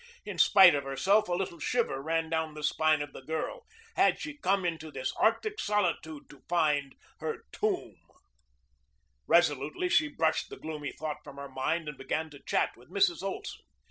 In spite of herself a little shiver ran down the spine of the girl. Had she come into this Arctic solitude to find her tomb? Resolutely she brushed the gloomy thought from her mind and began to chat with Mrs. Olson.